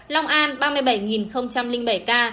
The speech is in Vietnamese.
long an ba mươi bảy bảy ca